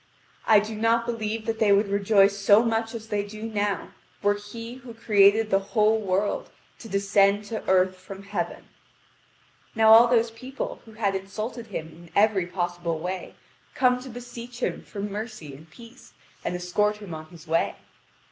I do not believe that they would rejoice so much as they do now were He who created the whole world to descend to earth from Heaven. Now all those people who had insulted him in every possible way come to beseech him for mercy and peace, and escort him on his way.